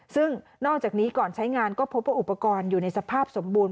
ซึ่งนอกจากนี้ก่อนใช้งานก็พบว่าอุปกรณ์อยู่ในสภาพสมบูรณ